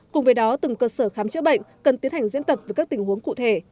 cùng với đó từng cơ sở khám chữa bệnh cần tiến hành diễn tập với các tình huống cụ thể